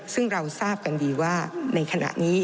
ซึ่งเราทราบกันดีว่าในขณะนี้